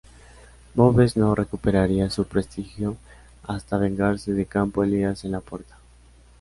Boves no recuperaría su prestigio hasta vengarse de Campo Elías en La Puerta.